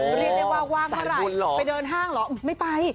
เรียกได้ว่าว่างเมื่อไหร่ไปเดินห้างเหรอไม่ไป